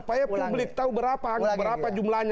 supaya publik tahu berapa jumlahnya berapa uangnya